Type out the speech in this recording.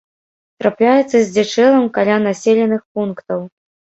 Трапляецца здзічэлым каля населеных пунктаў.